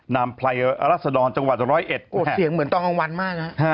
นัลมีราศน์อยู่จานร้อย๑๐๑